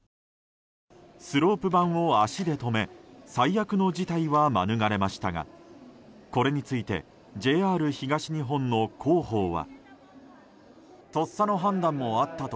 スロープ板を足で止め最悪の事態は免れましたがこれについてＪＲ東日本の広報は。